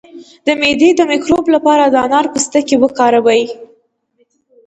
د معدې د مکروب لپاره د انار پوستکی وکاروئ